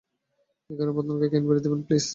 একটা vodka cranberry দেবেন, please?